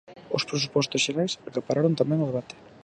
Os presupostos xerais acapararon tamén o debate.